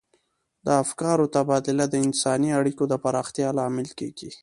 د افکارو تبادله د انساني اړیکو د پراختیا لامل کیږي.